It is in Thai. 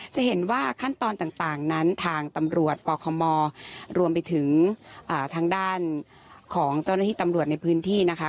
จะเห็นว่าขั้นตอนต่างนั้นทางตำรวจปคมรวมไปถึงทางด้านของเจ้าหน้าที่ตำรวจในพื้นที่นะคะ